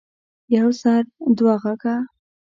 يو سر ،دوه غوږه.